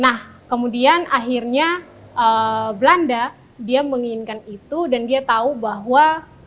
nah kemudian akhirnya belanda dia menginginkan itu dan dia tahu bahwa